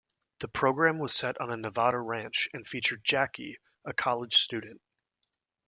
The program was set on a Nevada ranch, and featured Jackie, a college student.